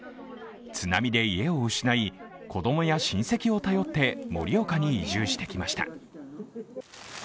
津波で家を失い、子供や親戚を頼って盛岡に移住してきました。